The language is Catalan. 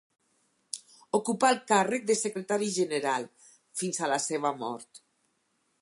Ocupà el càrrec de secretari general fins a la seva mort.